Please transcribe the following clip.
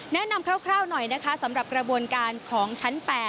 นคร่าวหน่อยนะคะสำหรับกระบวนการของชั้น๘